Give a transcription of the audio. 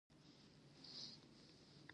زده کوونکي دې په شعر کې ارتباطي کلمي پیدا کړي.